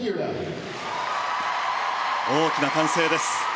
大きな歓声です。